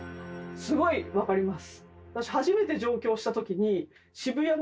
すごい分かります。